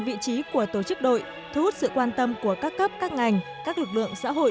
vị trí của tổ chức đội thu hút sự quan tâm của các cấp các ngành các lực lượng xã hội